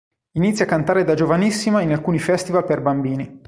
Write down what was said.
Inizia a cantare da giovanissima in alcuni festival per bambini.